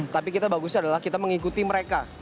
tapi kita bagusnya adalah kita mengikuti mereka